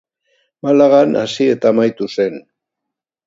Malagan hasi eta amaitu zen.